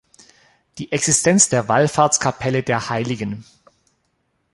Die Existenz der Wallfahrtskapelle der hl.